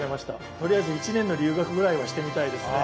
とりあえず１年の留学ぐらいはしてみたいですね。